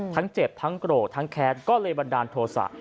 ทั้งเจ็บทั้งโกรธทั้งแค้นก็เลยบันดาลโทษะ